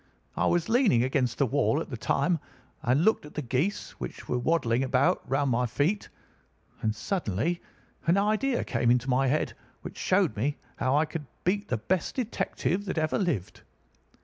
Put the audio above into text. I was leaning against the wall at the time and looking at the geese which were waddling about round my feet, and suddenly an idea came into my head which showed me how I could beat the best detective that ever lived.